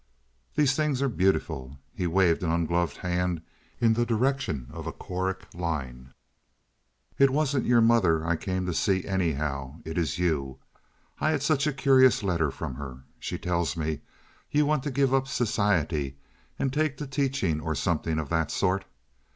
These things are beautiful." He waved an ungloved hand in the direction of a choric line. "It wasn't your mother I came to see, anyhow. It is you. I had such a curious letter from her. She tells me you want to give up society and take to teaching or something of that sort.